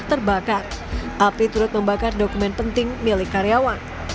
terbakar api turut membakar dokumen penting milik karyawan